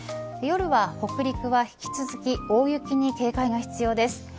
夜は北陸は引き続き大雪に警戒が必要です。